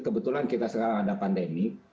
kebetulan sekarang kita ada pandemi